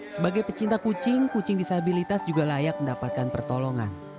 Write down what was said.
sebagai pecinta kucing kucing disabilitas juga layak mendapatkan pertolongan